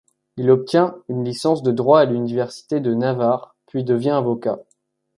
Il obtient une licence de droit à l'université de Navarre puis devient avocat.